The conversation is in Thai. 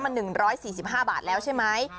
มัน๑๔๕บาทแล้วใช่ไหม